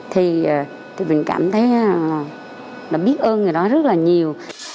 thì tụi mình cảm thấy là biết ơn người đó rất là nhiều